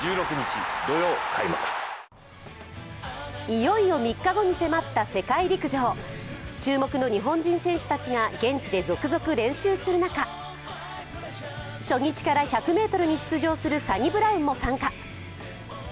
いよいよ３日後に迫った世界陸上注目の日本人選手たちが現地で続々練習する中、初日から１００ｍに出場するサニブラウンも参加。